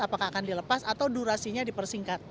apakah akan dilepas atau durasinya dipersingkat